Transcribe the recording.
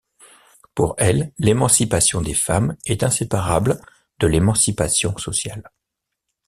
Pour elle, l'émancipation des femmes est inséparable de l'émancipation sociale.